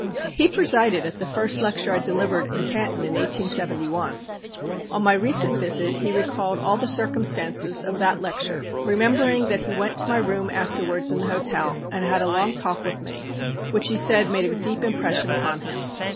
He presided at the first lecture I delivered at Canton in 1871. On my recent visit he recalled all the circumstances of that lecture, remembering that he went to my room afterwards in the hotel, and had a long talk with me, which he said made a deep impression upon him.